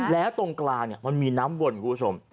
แล้วตรงกลางมันมีน้ำวนคุณผู้ชม